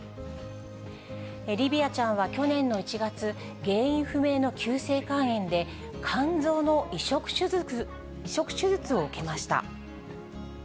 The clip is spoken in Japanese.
リヴィアちゃんは去年の１月、原因不明の急性肝炎で、肝臓の移植手術を受けました。